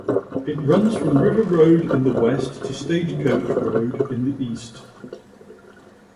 It runs from River Road in the west to Stagecoach Road in the east.